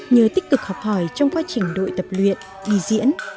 nhờ tích cực học hỏi trong quá trình đội tập luyện đi diễn